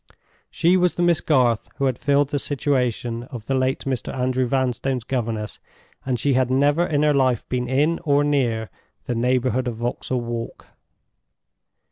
She was the Miss Garth who had filled the situation of the late Mr. Andrew Vanstone's governess, and she had never in her life been in, or near, the neighborhood of Vauxhall Wall.